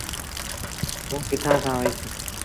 توٚݩ ڪٿآݩ کآݩ وهيٚس۔